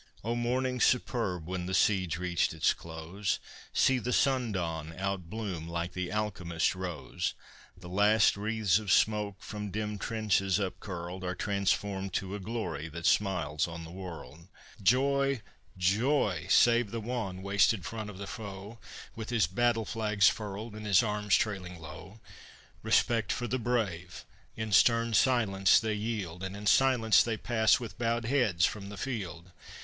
O morning superb! when the siege reached its close; See! the sundawn outbloom, like the alchemist's rose! The last wreaths of smoke from dim trenches upcurled, Are transformed to a glory that smiles on the world. Joy, joy! Save the wan, wasted front of the foe, With his battle flags furled and his arms trailing low; Respect for the brave! In stern silence they yield, And in silence they pass with bowed heads from the field.